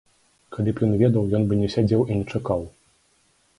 Калі б ён ведаў, ён бы не сядзеў і не чакаў.